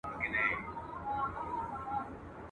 مخامخ تته رڼا کي ,